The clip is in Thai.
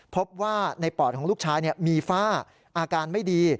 พบว่าในปอดของลูกชายมีฝ้าอาการไม่ดี